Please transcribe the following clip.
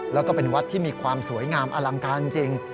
แล้วก็เป็นวัดที่มีความสวยงามอลังการจริง